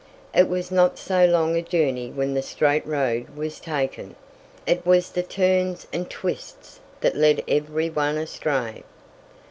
It was not so long a journey when the straight road was taken it was the turns and twists that led every one astray.